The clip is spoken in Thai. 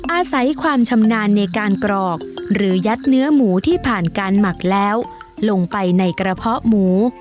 อาศัยความชำนาญในการกรอกหรือยัดเนื้อหมูที่ผ่านการหมักแล้วลงไปในกระเพาะหมู